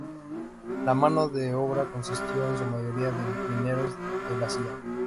La mano de obra consistió en su mayoría de mineros de la Cía.